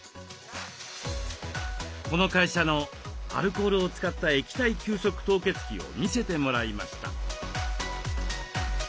この会社のアルコールを使った液体急速凍結機を見せてもらいました。